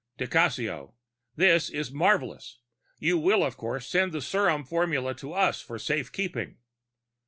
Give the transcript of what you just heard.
_ Di Cassio: _This is marvelous. You will, of course, send the serum formula to us for safe keeping?